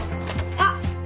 あっ！